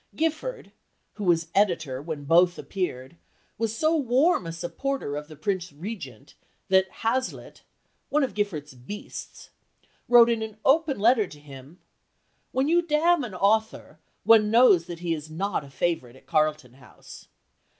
Gifford, who was editor when both appeared, was so warm a supporter of the Prince Regent that Hazlitt one of Gifford's "beasts" wrote in an open letter to him: "When you damn an author, one knows that he is not a favourite at Carlton House."